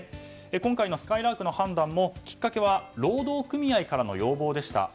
今回のすかいらーくの判断もきっかけは労働組合からの要望でした。